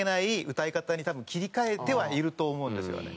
歌い方に多分切り替えてはいると思うんですよね。